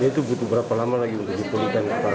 itu butuh berapa lama lagi untuk dipulihkan